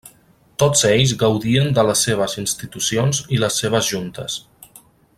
Tots ells gaudien de les seves institucions i les seves Juntes.